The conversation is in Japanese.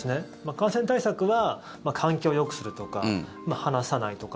感染対策は換気をよくするとか話さないとか。